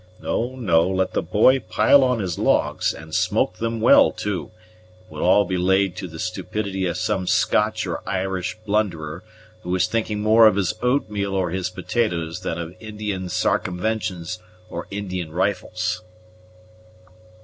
No, no; let the boy pile on his logs, and smoke them well too; it will all be laid to the stupidity of some Scotch or Irish blunderer, who is thinking more of his oatmeal or his potatoes than of Indian sarcumventions or Indian rifles."